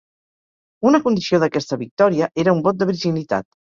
Una condició d'aquesta victòria era un vot de virginitat.